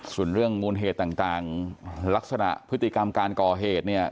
ส่วนเรื่องมูลเหตุต่างลักษณะพฤติกรรมการก่อเหตุเนี่ย